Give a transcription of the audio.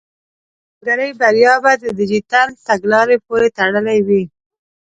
د سوداګرۍ بریا به د ډیجیټل تګلارې پورې تړلې وي.